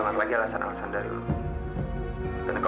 nah tapi alasan apa mita nolak aku